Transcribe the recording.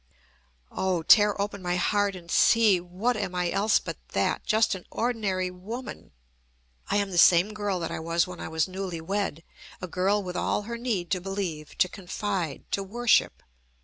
Oh, tear open my heart and see! What am I else but that, just an ordinary woman? I am the same girl that I was when I was newly wed, a girl with all her need to believe, to confide, to worship.